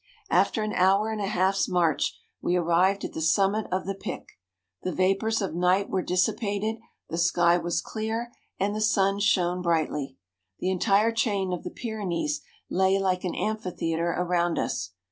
After an hour and a half's march, we arrived at the summit of the Pic. The vapours of night were dissipated, the sky was clear, and the sun shone brightly. The entire chain of the Pyrenees lay like an amphitheatre around us.